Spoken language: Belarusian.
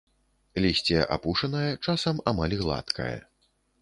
Лісце апушанае, часам амаль гладкае.